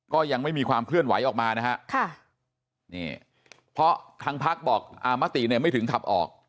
ก็ยังไม่มีความเคลื่อนไหวออกมานะฮะนี่เพราะทางพักบอกมติเนี่ยไม่ถึงขับออก